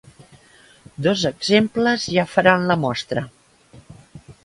Dos exemples ja faran la mostra.